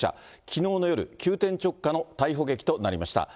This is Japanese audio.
きのうの夜、急転直下の逮捕劇となりました。